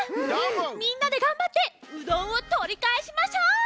みんなでがんばってうどんをとりかえしましょう！